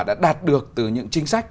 đã đạt được từ những chính sách